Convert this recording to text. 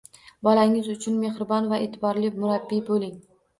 Bolangiz uchun mehribon va e’tiborli murabbiy bo‘ling